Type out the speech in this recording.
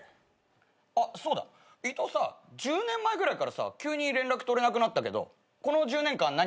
あっそうだ伊藤さ１０年前ぐらいから急に連絡取れなくなったけどこの１０年間何やってたの？